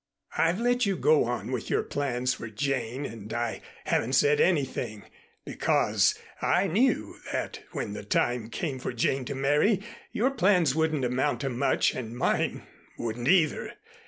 I've let you go on with your plans for Jane and I haven't said anything, because I knew that when the time came for Jane to marry, your plans wouldn't amount to much and mine wouldn't either.